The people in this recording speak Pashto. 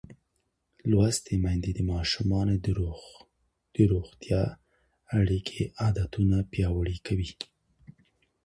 لوستې میندې د ماشومانو د روغتیا اړوند عادتونه پیاوړي کوي.